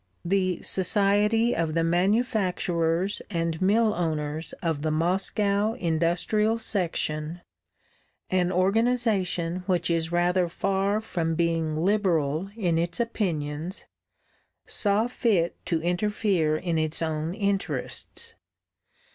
The "Society of the Manufacturers and Mill Owners of the Moscow Industrial Section," an organisation which is rather far from being liberal in its opinions, saw fit to interfere in its own interests.